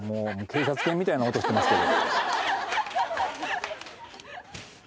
みたいな音してますけど。